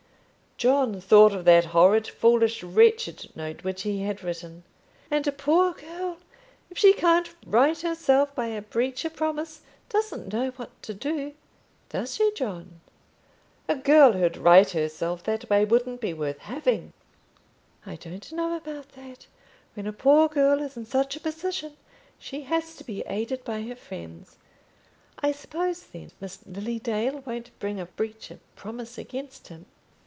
John thought of that horrid, foolish, wretched note which he had written. "And a poor girl, if she can't right herself by a breach of promise, doesn't know what to do. Does she, John?" "A girl who'd right herself that way wouldn't be worth having." "I don't know about that. When a poor girl is in such a position, she has to be aided by her friends. I suppose, then, Miss Lily Dale won't bring a breach of promise against him."